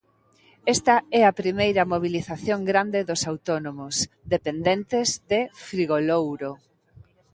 Esta é a primeira mobilización grande dos autónomos 'dependentes' de Frigolouro.